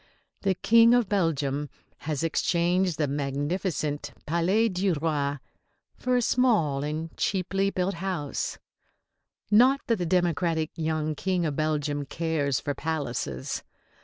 The King of Belgium has exchanged the magnificent Palais du Roi for a small and cheaply built house not that the democratic young King of Belgium cares for palaces.